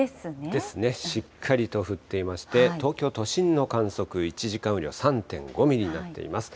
ですね、しっかりと降っていまして、東京都心の観測、１時間雨量３．５ミリになっています。